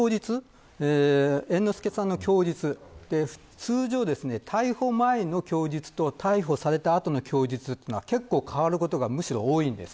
ただ猿之助さんの供述通常、逮捕前の供述と逮捕された後の供述は変わることが多いんです。